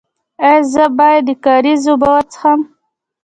ایا زه باید د کاریز اوبه وڅښم؟